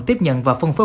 tiếp nhận và phân phối